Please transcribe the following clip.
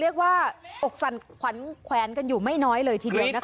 เรียกว่าอกสันขวนแขวนกันอยู่ไม่น้อยเลยทีเดียวนะครับ